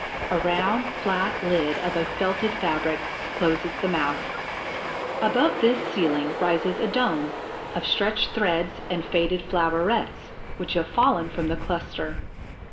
A round, flat lid, of a felted fabric, closes the mouth. Above this ceiling rises a dome of stretched threads and faded flowerets which have fallen from the cluster.